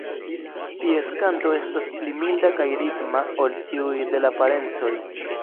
Ties kanto estas pli milda kaj ritma ol tiuj de la parencoj.